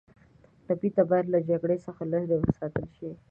ټپي ته باید له جګړې لرې وساتل شي.